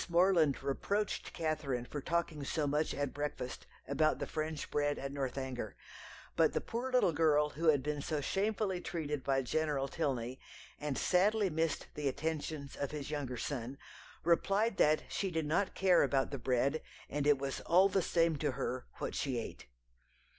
Morland reproached Catherine for talking so much at breakfast about the French bread at Northanger, but the poor little girl who had been so shamefully treated by General Tilney, and sadly missed the attentions of his younger son, replied that she did not care about the bread, and it was all the same to her what she ate.